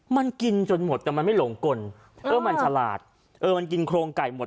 มันกินจนหมดแต่มันไม่หลงกลเออมันฉลาดเออมันกินโครงไก่หมด